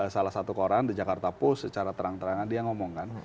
salah satu orang di jakarta post secara terang terangan dia ngomongkan